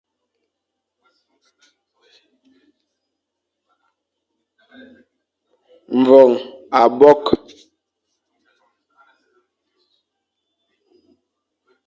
Mvoñ abokh.